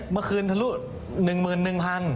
เมื่อคืนทะลุ๑๑๐๐๐